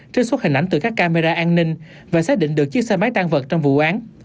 trích xuất hình ảnh từ các camera an ninh và xác định được chiếc xe máy tan vật trong vụ án